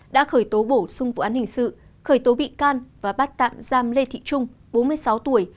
đã khởi tố bổ sung vụ án hình sự khởi tố bị can và bắt tạm giam lê thị trung bốn mươi sáu tuổi